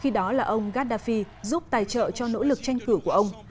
khi đó là ông gaddafi giúp tài trợ cho nỗ lực tranh cử của ông